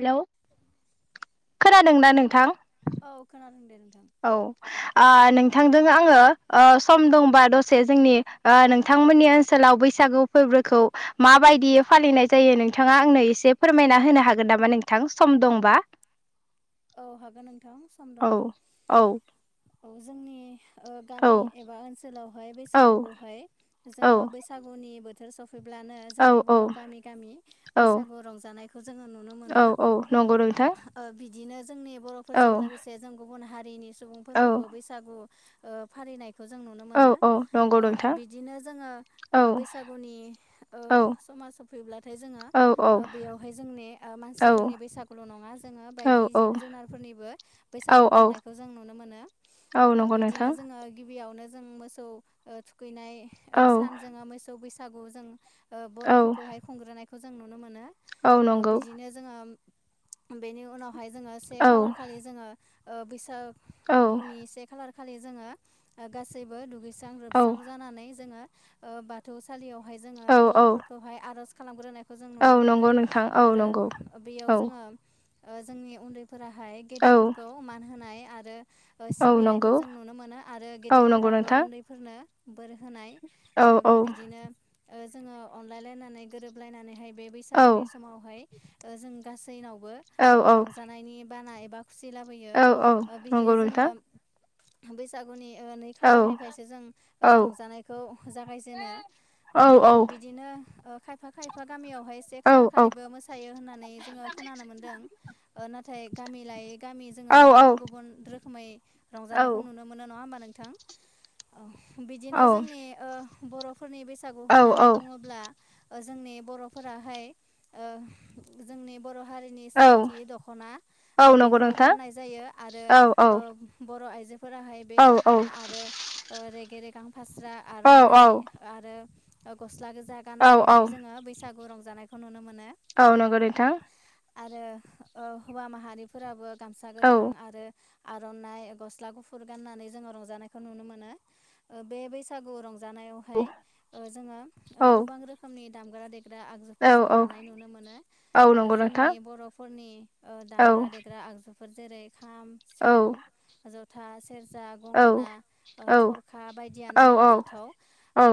Hello खोनादोंना नोंथां? औ खानदों दे नोंथ औ ओ नोंथांजों आङो ओ सम दंबा दसे जोंनि ओ नोंथां थांमोननि ओनसोलाव बैसागु फोरबोखौ माबायदियै फालिनाय जायो नोंथाङा आंनो एसे फोरमायना होनो हागोन नामा नोंथां सम दंबा? औ हागोन नोंथां सम दङ। औ। जोंनि ओ गामि एबा ओनसोलावहाय बैसागुखौहाय जोङो बैसागुनि बोथोर सफ फैब्लानो जोंनि बर' गामि गामि बैसागु रंजानायखौ जोङो नुनो मोनो। नंगौ नोंथां‌ बिदिनो जोंनि बर'फोरजों लोगोसे जों गुबुन हारिनि सुबुंफोरखौबो बैसागु ओ फालिनाय खौ जों नुनो मोनो औ बिदिनो जोङो ओ बैसागुनि ओ स मा सफैब्लाथाय जोङो बेयावहाय जोंनि मानसिफोरनि बैसागुल' नङा जोङो बाय जिब जुनार फोरनिबो बैसागु खुंनायखौ जों नुनो मोनो बिदिनो जोंङो गिबियाव नो जों मोसौ थुखैनाय सानजों मोसौ बैसागु जों ओ बर'फोरखौहाय खुंग्रोनायखौ जों नुनो मोनो ओ बिदिनो जोङो बेनि उनावहाय जोङो से खालार खालि जोङो ओ बैसाग गुनिसे खालार खालि जोङो गासैबो दुगैस्रां लोबस्रां जानानै जोङो। ओ बाथौ सालियावहाय जोङो बर'फोरखौहाय आर'ज खालामग्रोनाय जों नुनो मोनो आरो बेयाव जोङो जोंनि उन्दै फोराहाय गेदेरफोरखौ मान होनाय आरो ओ सिबिनायखौ जों नुनो मोनो आरो गेदेरफोराबो उन्दैफोरनो बोर होनाय ओ बिदिनो जोङो ओ अनलायलायनानै गोरोबलायनानैहाय बे बैसागुनि समावहाय ओ जों गासैनावबो ओ रंजानायनि बाना एबा खुसि लाबोयो ओ बिदिनो जोङो बैसागुनि नै खालारनिफ्रायसो जों ओ रंजानायखौ जागायजेनो। ओ बिदिनो ओ खायफा खायफा गामियावहाय से खालार खालिबो मोसायो होननानै जोङो खोनानो मोन्दों। नाथाय गामि लायै गामि जोङो गुबुन गुबुन रोखोमै रंजानायखौ नुनो मोनो। नङा होमबा नोंथां? औ बिदिनो जोंनि ओ बर' फोरनि बैसागु होननानै बुङोब्ला जोंनि बर'फोराहाय ओ जोंनि बर' हारिनि सिनाय थि दख'ना बेखौ गाननाय जायो आरो बर' आयजो फोराहाय बे दख'ना आरो रेगे रेगां फास्रा आर'नाइ आरो ओ गस्ला गोजा गाननानैहाय जोङो बैसागु रंजानायखौ नुनो मोन औ नंगौ नोंथां। आरो ओ हौवा माहारिफोराबो गामसा गोथां आरो आर'नाइ गस्ला गुफुर गाननानै जोङो रंजानायखौ नुनो मोनो बे बैसागु रंज जानायावहाय ओ जोंङो ओ गोबां रोखोमनि दामग्रा दे ग्रा आगजुफोर जों लानाय नुनो मोनो जोंनि बर' नि दामग्रा- देग्रा आगजुफोर जेरै खाम, सिफुं, जथा, से सेरजा, गंगोना, थरखा बायदियनो मख'जाथाव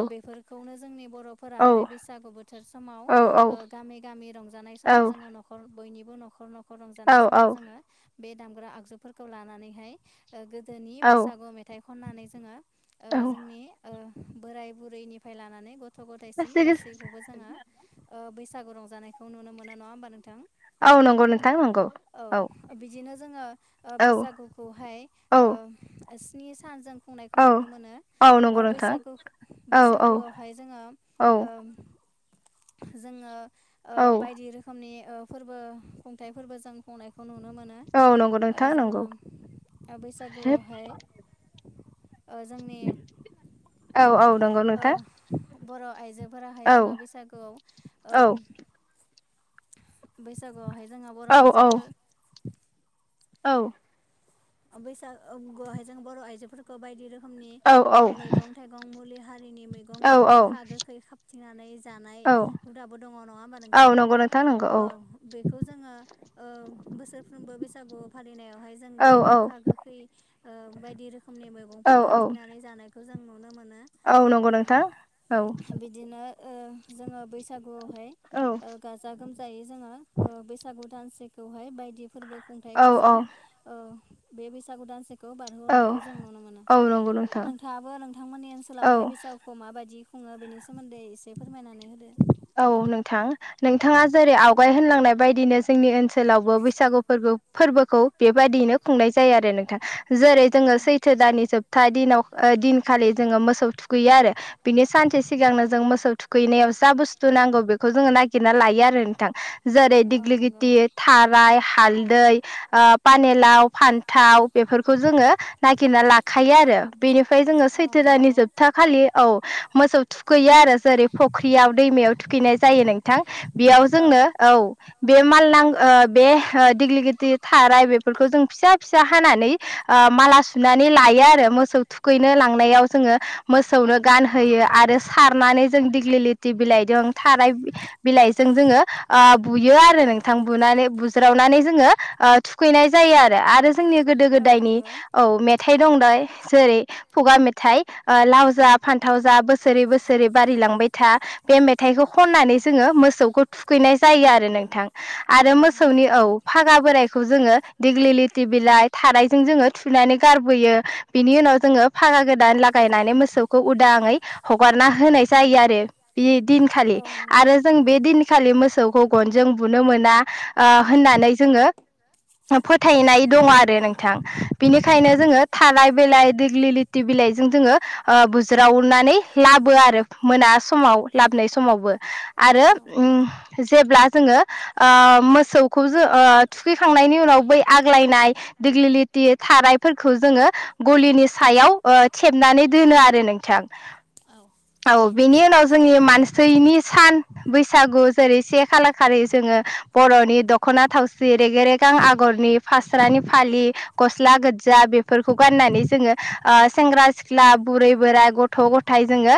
बेफोरखौनो जो जोंनि बर'फोराहाय बैसागु बोथोर समाव ओ गामि -गामि रंजानाय समाव जोङो न'खर बयनिबो न'खर- न'खर रंजानाय समाव जोङो बे दामग्रा आगजुफोरखौ लानानैहाय गोदोनि बैसागु मेथाइ खननानै जोङो ओ जोंनि ओ बोराय बुरैनिफ्राय लानानै गथ' -गथायसिम गासैखौबो जोङो बैसाग सागु रंज जानायखौ नुनो मोनो नङा होमबा नोंथां? औ नंगौ नोंथां नंगौ औ। जोंड़ो बैसागुखौहाय स्नि सान खुंनायखौ नुनो मोनो ओ बैसाग- बैसागुआवहाय जोङो ओ जोङो बायदि रोखोमनि फोरबो खुंथाइफोरबो जों खंनायखौ नुनो मोनो जोङो बैसागुआवहाय ओ जोंनि औ- औ नंगौ नोंथां। बर' आइजोफोराहाय जोंहा बैसागुआव बैसागुआवहाय जोंहा बर' आइजोफोर औ। बैसागुआवहाय जों बर' आइजोफोरखौ बायदि रोखोमनि मैगं- थाइगं मुलि हा -रिनि मैगं गोखा -गोखै खाथिंनानै- जानाय हुदाबो दङ नङा होमबा नोंथां? औ बेखौ जोङो ओ बोसोरफ्रोमबो बेसे बैसागु फालिनायावहाय जों बे गोह गोखै बायदि रोखोमनि मैगंफोर खााबथिंनानै जानायखौ जों नुनो मोनो। औ नंगौ नोंथां औ। ओ जोङो बैसागुआवहाय गाजा -गोमजायै जोङो बैसागु दानसेखौहाय बायदि फोरबो खुंथाइ फोरजों बे बैसागु दानसे खौ बारहोहरनायखौ जों नुनो मोनो नोंथाङाबो नोंथांमोननि ओनसोलावहाय बैसागु माबायदि खुङो बेनि सोमोन्दै इसे फोर औ नोंथां नों -थाङा जेरै आवगाय होनलांनाय बायदिनो जोंनि ओनसोलावबो बैसागु फोरबो फोरबोखौ बेबायदिनो खुंनाय जायो आरो नोंथाङां जेरै जोङो सैथो दानि जोबथा दिनाव दिनखालि जोङो मोसौ थुखैयो आरो बिनि सानसे सिगांनो जों मोसौ थुखैनायाव जा बुस्थु नांगौ बेखौ जोङो नागिरना लायो आरो नोंथां जेरै दिग्लि गिथि, थाराय, हालदै, पानिलाव, फान्थाव, बेफोरखौ जोङो नागिरना लाखायो आरो। बेनिफ्राय जोङो सैथोरानि जोबथा खालि औ मोसौ थुखैया आरो जेरै फख्रि क्रिआव दैमायाव थुखैनाय जायो नोंथां बेयाव जोंनो औ- बे मालनां बे दिग्लिगिदिर, थाराय बेफोरखौ जों फिसा- फिसा हानानै माला सुनानै लायो आरो मोसौ थुखैनो लांनायाव जोङो मोसौनो गानहोयो आरो। सारनानै जों दिग्लि लि बिलाइजों थानाय बिलाइजों जोङो बुयो आरो नोंथां बुनानै बुज्रावनानै नानै जोङो थुखैनाय जायो आरो आरो जोंनि गोदो- गोदायनि औ मेथाइ दंबाय जेरै फुगा मेथाइ लाव जा फान्थाव जा बोसोरे- बोसोरे बारिलांबाय था। बे मेथाइखौ खननानै जोङो मोसौखौ थुखैनाय जायो आरो नोंथां। आरो मोसौनि औ फागा बोरायखौ जोङो दिग्लिटि बिलाइ थारायजों जोङो थुनानै गारबोयो बिनि उनाव जोङो फागा गोदान लागायनानै मोसौ खौ उदाङै हगारना होनाय जायो आरो। बे दिनखालि आरो जों बे दिनखालि मोसौ खौ गनजों बुनो मोना ओ होननानै जोङो फोथायनाय दङ आरो नोंथां बिनिखायनो जोङो थालाय बिलाय देग्लिलिटि बिलाइजों जोङो बुज्रावनानै लाबो आरो मोना समाव लाबोनाय समावबो आरो जेब्ला जोङो मोसौ खौ जो थुखैखांनायनि उनाव बै आग्लायनाय देग्लिलिथि थानायफोरखौ जोङो गलिनि सायाव ओ थेबनानै दोनो आरो नोंथां औ बेनि उनाव मानसिनि सान बैसागु जेरै से खालाखारि जोङो बरनि दखना थावसि रेग रेगां आगरनि फास्रानि फालि गस्ला गोजा बेफोरखौ गाननानै जोङो ओ सेंग्रा सिख्ला बुरै बोराय गथ' गथाय जोङो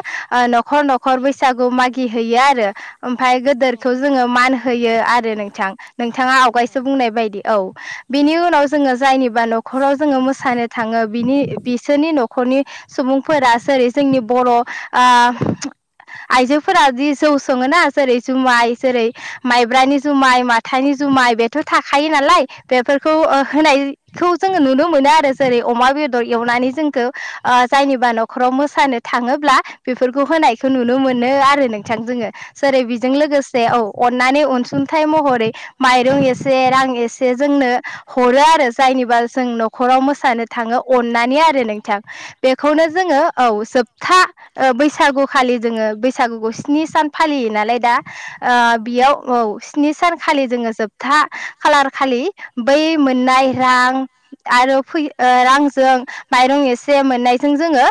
नखर नखर खर बैसागु मागिहयो आरो ओमफ्राय गोदोरखौ जोङो मान होयो आरो नोंथां नोंथाङा आवगायसो बुंनाय बायदि औ बिनि उनाव जोङो जायनिबा नखराव जोङो मोसानो थाङो बिनि बिसोरनि नखरनि सुबुंफोरा सोरै जोंनि बर' आ आइजोफोरा जि जौ सङोना जेरै जुमाय जेरै माइब्रानि जुमाय माथाइनि जुमाय बेथ' थाखायो नालाय बेफोरखौ होनायखौ जोङो नुनो मोन मोनो आरो जेरै अमा बेदर एवनानै जोंखौ जायनिबा नखराव मोसानो थाङोब्ला बेफोरखौ होनायखौ नुनो मोनो आरो नोंथां जोङो सोरेरै बेजों लोगोसे औ अननानै अनसुं महरै माइरं एसे रां एसे जोंनो हरो आरो आरो जायनिबा जों नखराव मोसानो थाङो अन्नानै आरो नोंथां बेखौनो जोङो औ जोबथा बैसागु खालि जोङो बैसागुखौ स्नि सान फालियो नालाय दा ओ बेयाव औ स्नि सान खालि जोङो जोबथा खालार खालि बै मोननाय रां आरो फै रांजों माइरं एसे मोननायजों जोङो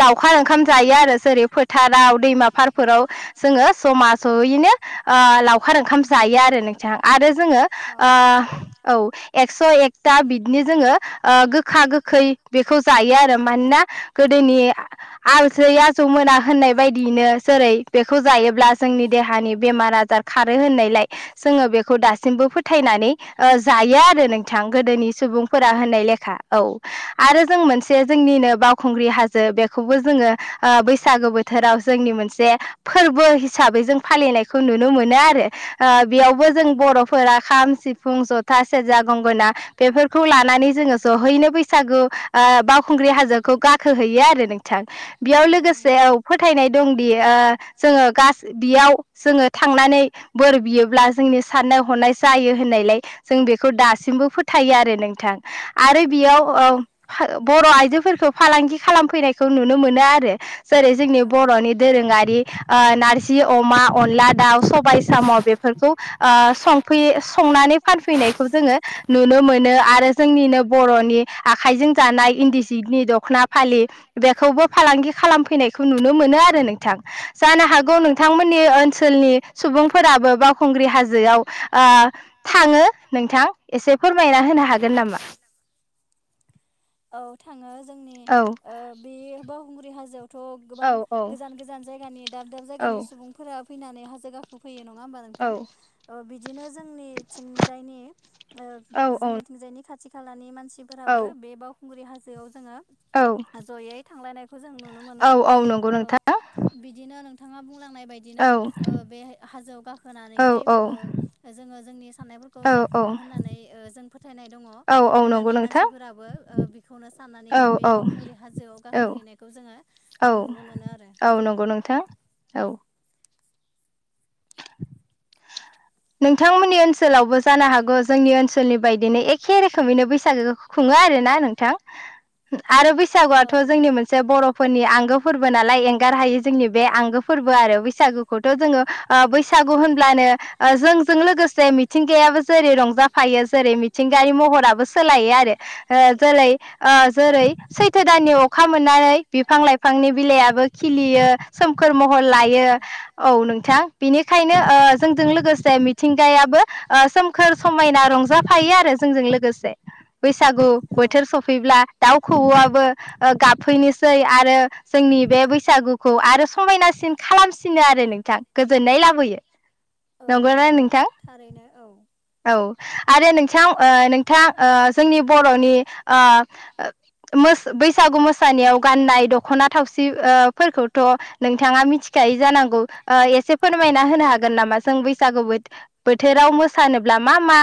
लावखार ओंखाम जायो आरो जेरै फोथाराव दैमा फारफोराव जोङो जा जयैनो लावखार ओंखाम जायो जायो आरो नोंथां आरो जोङो औ एक्स एकथा बिदिनो जोङो गोखा गोखै बेखौ जायो आरो मानोना गोदोनि आलसैया ज मोना होननाय बायदियैनो जेरै बेखौ जायोब्ला जोंनि देहानि बेमार आजार खारो होननाय जोङो बेखौ दासिमबो फोथायनानै ओ जायो आरो नोंथां गोदोनि सुबुंफोरा होननाय लेखा औ आरो जों मोनसे जोंनिनो बावखुंग्रि हाजो बेखौबो जोङो ओ बैसागो बोथोराव जोंनि मोनसे फोरबो हिसाबै जों फालिनायखौ नुनो मोनो आरो ओ बेयावबो जों बर'फोरा खाम सिफुं जथा सेरजा गंगोना बेफोरखौ लानानै नै जोङो जहैनो बैसागु ओ बावखुंग्रि हाजोखौ गाखोहैयो आरो नोंथां बेयाव लोगोसे औ फोथायनाय दंदि ओ जोङो बियाव गास जोङो थांनानै बोर बियोब्ला जोंनि साननाय हनाय जायो होननायलाय जों बेखौ दासिमबो फोथायो आरो नोंथां आरो बेयाव बर' आइजोफोरखौ फालांगि खालामफैनायखौ नुनो मोनो आर जेरै जोंनि बर'नि दोरोङारि नार जि अमा अनला दाउ सबाय साम बेफोरखौ ओ संफै संनानै फानफैनो खौ जोङो नुनो मोनो आरो जोंनिनो बरनि आखाइजों जानाय इन्दि सिनि दख दखना फालि बेखौबो फालांगि खालामफैनायखौ नुनो मोनो आरो नोंथां जानो हागौ नोंथांमोननि ओनसोलनि सुबुंफोराबो बावखुंग्रि हाजोआव ओ थाङो नोंथां एसे फोरमायना होनो हागोन नामा औ थाङो जोंनि ओ बे बावखुंग्रि हाजोआव थ' गोबां गोजान गोजान जायगानि दाब दाब जायगानि सुबुंफोरा फैनानै हाजो गाखो फैयो नङ नङा होमबा नोंथां ओ बिदिनो जोंनिथिंजायनि जोंनिथिंजायनि खाथि खाथि खालानि मानसिफोराबो बे बावखुंग्रि हाजोआव जोङो जयै थांलायनाय खौ जों नुनो मोनो बिदिनो नोंथाङा बुं। बुंनाय बायदिनो ओ बे हाजोआव गाखोनानैहाय ओ जोंओ जोंनि। थानायफोरखौ जाफुङो होननानै जों फोथायनाय दङ' होननानै मानसिफोराबो। ओ बेखौनो साननानैहाय बे बावखुंग्रि हाजोआव गाखोहैनायखौ जोङो नुनो मोनो आरो। नंगौ नोंथां औ। नोंथांमोननि ओनसोलावबो जानो हागौ जोंनि ओनसोलनि बायदिनो एखे रोखोमैनो बैसागो खुङो। आरोना नोंथां आरो बैसागुआथ' जोंनि मोनसे बर'फोरनि आंगो। आंगो फोरबो नालाय एंगार हायो जोंनि बे आंगो फोरबो आरो बैसागुखौथ' जोङो बैसागु होनब्ला। मानो। जोंजों लोगोसे मिथिंगायाबो जेरै रंजाफायो जेरै मिथिंगायारि महराबो सोलायो आरो। जेरै जेरै सैथो दाननि अखा मोननानै बिफां लाइफांनि बिलाइयाबो। खिलियो सोमखोर महर लायो औ नोंथां बेनिखायनो जोंजों लोगोसे। मिथिंगायाबो सोमखोर समायना रंजाफायो आरो जोंजों लोगोसे। बैसागु बोथोर सफैब्ला। दाउ खौवौआबो गाबफैनोसै आरो जोंनि बे बैसागुखौ आरो समायनासै। सिन खालामसिनो आरो नोंथां गोजोननाय लाबोयो। नंगौना नोंथां औ। आरो नोंथां नोंथां जोंनि बर'नि ओ। मोसा बैसागु मोसानायाव गाननाय दख'ना थावसि फोरफोरखौथ' नोंथाङा मिथिख। मिथिखायो जानांगौ एसे फोरमायना होनो हागोन नामा। जों बैसागु बोथोराव मोसानोब्ला मा मा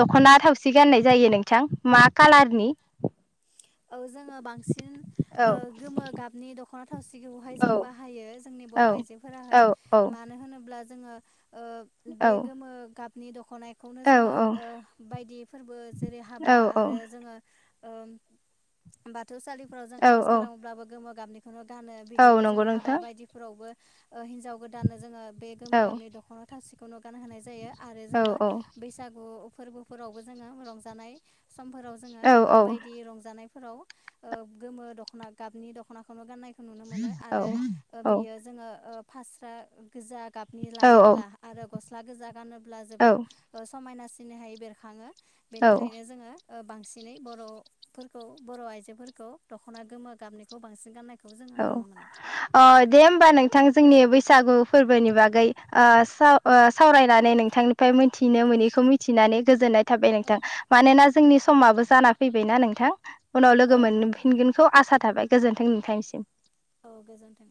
दख'ना थावसि गाननाय जायो नोंथां। मा कालारनि। औ जोङो बांसिन ओ गोमो गाबनि दख'ना थावसिखौहाय जों बाहायो। जोंनि बर' आइजोफोराहाय मानो होनोब्ला जोङो बे गोमो गाब। नि दख'नायखौनो जोङो ओ बायदि फोरबो जेरै हाबा आरो जोङो। ओ बाथौसाालिफोराव जों आर'ज खालामोब्लाबो गोमा गाबनि। ओ गानो बिदिनो जोङो हाबा बायदिफोरावबो। ओ हिनजाव गोदाननो जोङो बे गोमो गाबनि दखना थावसिखौनो गान होनाय जायो आरो जोङो बैसागु फोरबोफोरावबो जोङो रंजानाय। समफोराव जोङो बायदि रंजानाय। फोराव गोमो दख'ना गाबनि दख'नाखौनो गाननाय। नुनो मोनो आरो बेयो जोङो फास्रा गोजा। गाबनि लायोब्ला आरो गस्ला गोजा गानोब्ला जोबोर समायनासिनहाय बेरखाङो। बेनिखायनो जोङो बांसिनै बरफोरखौ। औ बर' आइजोफोरखौ दख'ना गोमो गाबनिखौ बांसिन गाननाय। औ अ दे होमबा नोंथां जोंनि बै। बैसागु फोरबोनि बागै सावरायनानै नोंथांनिफ्राय मोनथिनो मोनैखौ मिथिनानै। गोजोननाय थाबाय नोंथां मानोना जोंनि समाबो जाना फैबायना‌ नोंथां। उनाव लोगो मोनफिनगोनखौ आसा थाबाय गोजोन्थों‌ नोंथांनिसिम। औ गोजोन्थों।